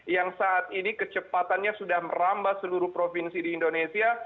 yang saat ini kecepatannya sudah merambah seluruh provinsi di indonesia